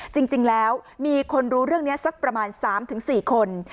จริงจริงแล้วมีคนรู้เรื่องเนี้ยสักประมาณสามถึงสี่คน